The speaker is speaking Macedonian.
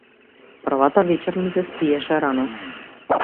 Првата вечер ми се спиеше рано.